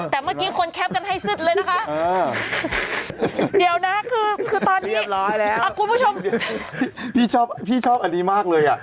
เตรียบร้อยแล้วคุณผู้ชมพี่ชอบพี่ชอบอันนี้มากเลย